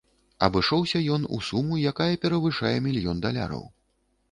Абышоўся ён у суму, якае перавышае мільён даляраў.